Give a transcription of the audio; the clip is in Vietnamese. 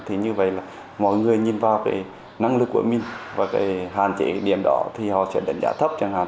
thì như vậy là mọi người nhìn vào cái năng lực của mình và cái hạn chế điểm đó thì họ sẽ đánh giá thấp chẳng hạn